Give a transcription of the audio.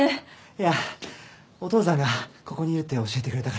いやお父さんがここにいるって教えてくれたから。